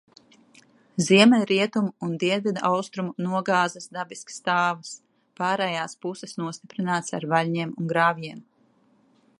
Ziemeļrietumu un dienvidaustrumu nogāzes dabiski stāvas, pārējās puses nostiprinātas ar vaļņiem un grāvjiem.